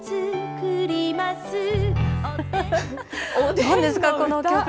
なんですか、この曲。